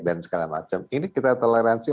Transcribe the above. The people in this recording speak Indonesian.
dan segala macam ini kita toleransi